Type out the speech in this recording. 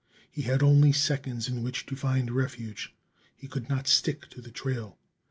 He had only seconds in which to find refuge; he could not stick to the trail.